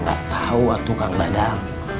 nggak tahu atukang dadang